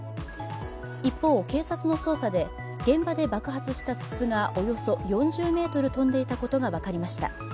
一方、警察の捜査で現場で爆発した筒がおよそ４０ｍ飛んでいたことが分かりました。